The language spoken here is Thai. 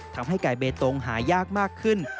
ทำให้ไก่เบตงหายากมากขึ้น